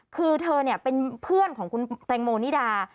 คือเธอเป็นเพื่อนของคุณแตงโมนิดา